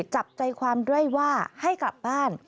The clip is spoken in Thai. จับใจความด้วยว่าให้กลับบ้าน